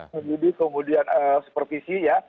seperti kemudian supervisi ya